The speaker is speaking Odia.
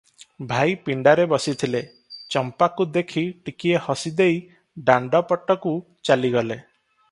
ଭାଇ ପିଣ୍ଡାରେ ବସିଥିଲେ, ଚମ୍ପାକୁ ଦେଖି ଟକିଏ ହସିଦେଇ ଦାଣ୍ଡ ପଟକୁ ଚାଲିଗଲେ!